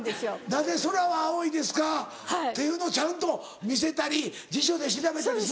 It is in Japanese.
「なぜ空は青いですか？」っていうのをちゃんと見せたり辞書で調べたりするんだ。